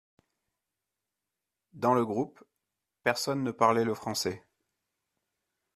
Dans le groupe, personne ne parlait le français.